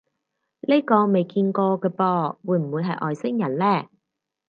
呢個未見過嘅噃，會唔會係外星人呢？